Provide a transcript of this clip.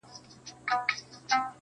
زه لاس په سلام سترگي راواړوه.